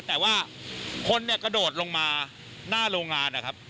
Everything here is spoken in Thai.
แต่ว่าคนเนี่ยกระโดดลงมาหน้าโรงงานนะครับ